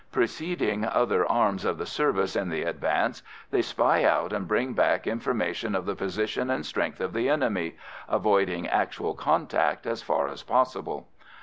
Preceding other arms of the service in the advance, they spy out and bring back information of the position and strength of the enemy, avoiding actual contact as far as possible.